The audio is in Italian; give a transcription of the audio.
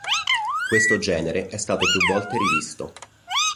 Questo genere è stato più volte rivisto.